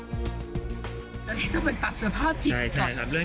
ตอนนี้ต้องเป็นฝักสุดภาพจิตก่อน